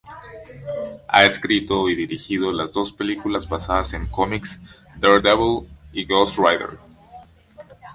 Ha escrito y dirigido las dos películas basadas en cómics Daredevil y Ghost Rider.